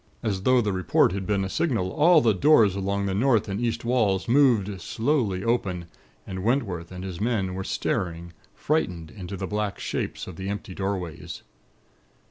As though the report had been a signal, all the doors along the north and east walls moved slowly open, and Wentworth and his men were staring, frightened into the black shapes of the empty doorways.